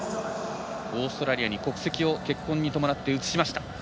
オーストラリアに国籍を結婚に伴って移しました。